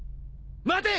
待て！